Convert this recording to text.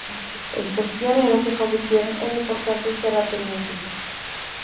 Estos pioneros se convirtieron en importantes terratenientes.